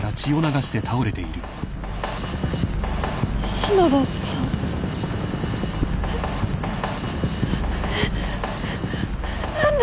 篠田さん？何で？